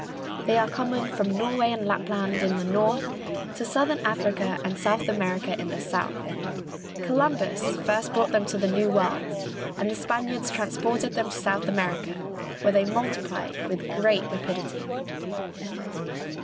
They are common from Norway and Lapland in the north to Southern Africa and South America in the south. Columbus first brought them to the New World, and the Spaniards transported them to South America, where they multiplied with great rapidity.